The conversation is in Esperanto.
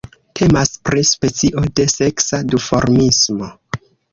Temas pri specio de seksa duformismo.